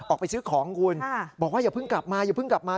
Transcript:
ออกไปซื้อของคุณบอกว่าอย่าเพิ่งกลับมา